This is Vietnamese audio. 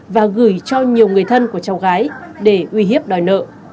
và gửi cho nhiều người thân của cháu gái để uy hiếp đòi nợ